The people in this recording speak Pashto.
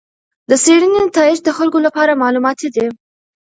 د څېړنې نتایج د خلکو لپاره معلوماتي دي.